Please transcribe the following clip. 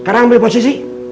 sekarang ambil posisi